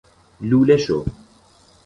لوله شو